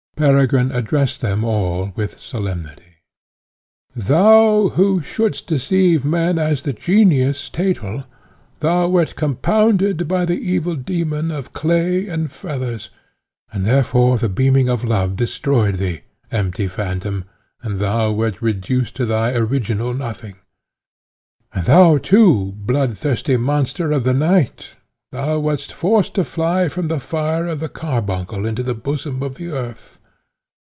Peregrine addressed them all with solemnity: "Thou, who shouldst deceive men as the Genius, Thetel, thou wert compounded, by the evil demon, of clay and feathers, and therefore the beaming of love destroyed thee, empty phantom, and thou wert reduced to thy original nothing. "And thou too, blood thirsty monster of the night, thou wast forced to fly from the fire of the carbuncle into the bosom of the earth.